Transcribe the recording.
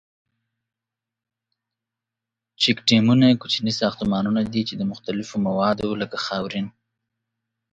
چیک ډیمونه کوچني ساختمانونه دي ،چې د مختلفو موادو لکه خاورین.